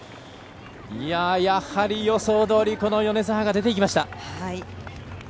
やはり予想どおり米澤が出ていきました。